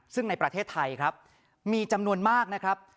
ซึ่งในประเทศไทยครับมีจำนวนมากนะครับ